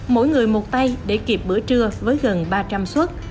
mỗi người một tay để kịp bữa trưa với gần ba trăm linh suất